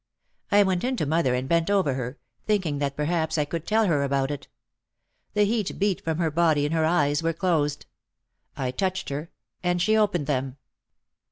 I went in to mother and bent over her, thinking that perhaps I could tell her about it. The heat beat from her body and her eyes were closed. I touched her and she opened them.